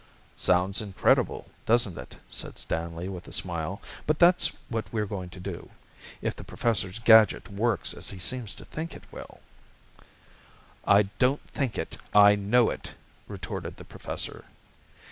"Sounds incredible, doesn't it," said Stanley with a smile. "But that's what we're going to do if the Professor's gadget works as he seems to think it will." "I don't think it, I know it," retorted the Professor.